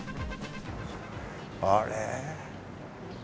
あれ？